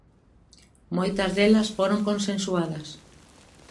Moitas delas foron consensuadas.